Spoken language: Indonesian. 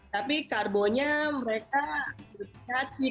tapi karbonya mereka berbeda sih